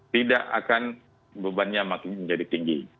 tidak akan bebannya makin menjadi tinggi